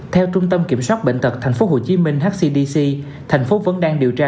theo trung tâm kiểm soát bệnh tật thành phố hồ chí minh hcdc thành phố vẫn đang điều tra